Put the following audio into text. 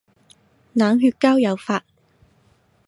冷血交友法